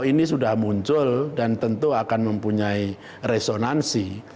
ini sudah muncul dan tentu akan mempunyai resonansi